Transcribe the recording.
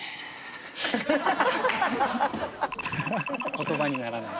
言葉にならない。